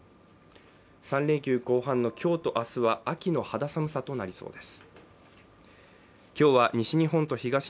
３連休後半の今日と明日は秋の肌寒さとなりそうです。